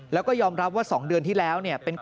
แล้วก็ยอมรับว่าสองเดือนที่แล้วเนี่ย